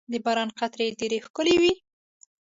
• د باران قطرې ډېرې ښکلي وي.